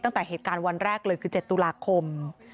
ตั้งแต่เหตุการณ์วันแรกเลยคือ๗ตุลาคม